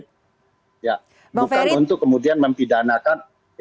bukan untuk kemudian mempidanakan